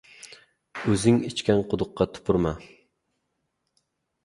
• O‘zing ichgan quduqqa tupurma.